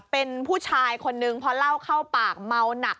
เป็นผู้ชายคนนึงพอเล่าเข้าปากเมาหนัก